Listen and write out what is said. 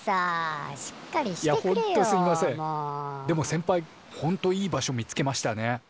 でも先ぱいほんといい場所見つけましたね。